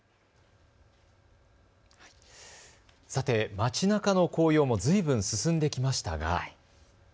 街なかの紅葉もずいぶん進んできましたが。